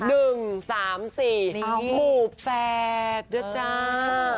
หนึ่งสามสี่หมู่แฝดเดี๋ยวจ้า